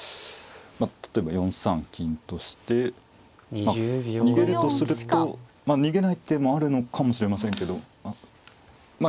例えば４三金として逃げるとするとまあ逃げない手もあるのかもしれませんけどま